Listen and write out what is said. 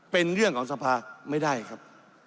เป็นเรื่องของสภาไม่ได้ครับ